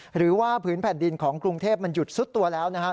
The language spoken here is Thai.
หรือว่าผืนแผ่นดินของกรุงเทพมันหยุดซุดตัวแล้วนะครับ